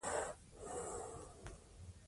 کوهی په لاس کې وو.